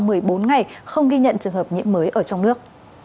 trong đó có một mươi bốn ngày không ghi nhận trường hợp nhiễm mới ở trong nước